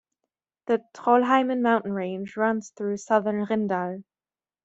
The Trollheimen mountain range runs through southern Rindal.